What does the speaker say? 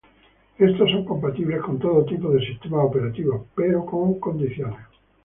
Estos son compatibles con todo tipo de sistemas operativos, pero con condiciones.